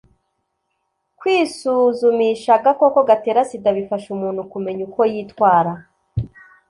kwisuzumisha agakoko gatera sida bifasha umuntu kumenya uko yitwara